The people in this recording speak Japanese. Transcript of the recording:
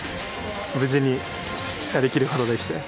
無事にやりきることできて。